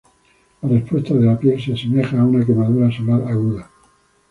La respuesta de la piel se asemeja a una quemadura solar aguda.